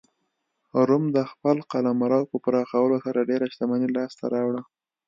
روم د خپل قلمرو په پراخولو سره ډېره شتمني لاسته راوړه